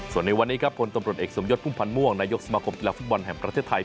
ส่วนในวันนี้ครับพลตำรวจเอกสมยศพุ่มพันธ์ม่วงนายกสมาคมกีฬาฟุตบอลแห่งประเทศไทย